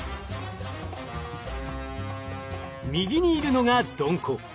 右にいるのがドンコ。